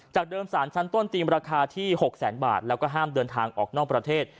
เดิมสารชั้นต้นตีมราคาที่๖แสนบาทแล้วก็ห้ามเดินทางออกนอกประเทศ